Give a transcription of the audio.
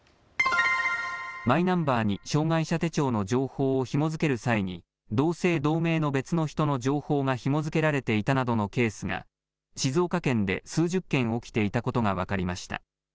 マイナンバーに障害者手帳の情報をひも付ける際に同姓同名の別の人の情報がひも付けられていたなどのケースが静岡県で数十件起きていたことが分かりました。